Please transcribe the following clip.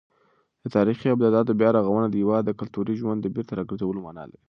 د تاریخي ابداتو بیارغونه د هېواد د کلتوري ژوند د بېرته راګرځولو مانا لري.